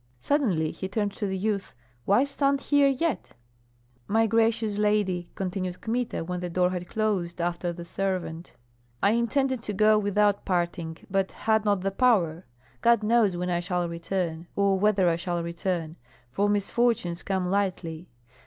Suddenly he turned to the youth: "Why stand here yet?" "My gracious lady," continued Kmita, when the door had closed after the servant, "I intended to go without parting, but had not the power. God knows when I shall return, or whether I shall return, for misfortunes come lightly.